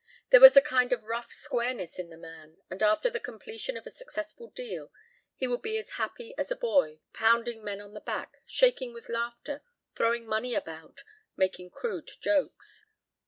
There was a kind of rough squareness in the man, and after the completion of a successful deal he would be as happy as a boy, pounding men on the back, shaking with laughter, throwing money about, making crude jokes.